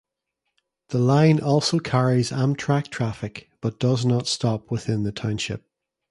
The line also carries Amtrak traffic, but does not stop within the township.